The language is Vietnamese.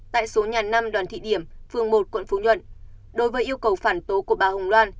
tại số nhà năm đoàn thị điểm phường một quận phú nhuận đối với yêu cầu phản tố của bà hồng loan